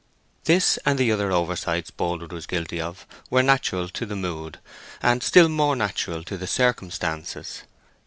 This, and the other oversights Boldwood was guilty of, were natural to the mood, and still more natural to the circumstances.